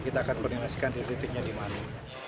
kita akan koordinasikan titik titiknya di mana